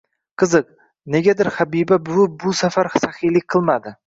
Qiziq, negadir Habiba buvi bu safar saxiylik qilmadi.